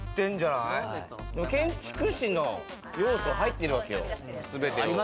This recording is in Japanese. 建築士の要素入ってるわけよ。